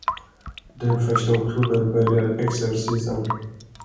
Den första oktober börjar exercisen.